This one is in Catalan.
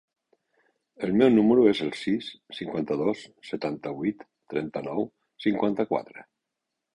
El meu número es el sis, cinquanta-dos, setanta-vuit, trenta-nou, cinquanta-quatre.